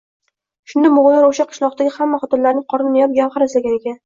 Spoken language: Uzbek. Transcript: Shunda mo’g’ullar o’sha qishloqdagi hamma xotinlarning qornini yorib, gavhar izlagan ekan.